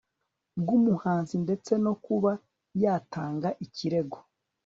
bw umuhanzi ndetse no kuba yatanga ikirego